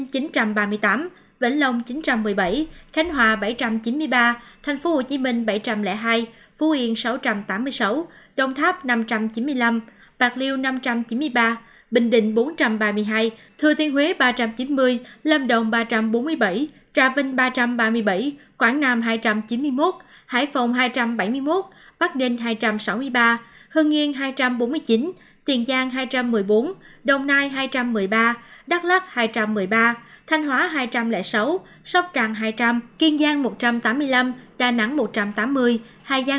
hồ chí minh chín trăm ba mươi tám vĩnh long chín trăm một mươi bảy khánh hòa bảy trăm chín mươi ba thành phố hồ chí minh bảy trăm linh hai phú yên sáu trăm tám mươi sáu đồng tháp năm trăm chín mươi năm bạc liêu năm trăm chín mươi ba bình định bốn trăm ba mươi hai thừa tiên huế ba trăm chín mươi lâm đồng ba trăm bốn mươi bảy trà vinh ba trăm ba mươi bảy quảng nam hai trăm chín mươi một hải phòng hai trăm bảy mươi một bắc ninh hai trăm sáu mươi ba hương yên hai trăm bốn mươi chín tiền giang hai trăm một mươi bốn đồng nai hai trăm một mươi ba đắk lắc hai trăm một mươi ba hồ chí minh bảy trăm chín mươi hai phú yên sáu trăm tám mươi sáu đồng tháp năm trăm chín mươi năm bạc liêu năm trăm chín mươi ba bình định bốn trăm ba mươi hai thừa tiên huế ba trăm chín mươi lâm đồng ba trăm bốn mươi bảy trà vinh ba trăm ba mươi bảy quảng nam hai trăm chín mươi một hải phòng hai trăm bảy mươi một bắc ninh hai trăm sáu mươi ba hương yên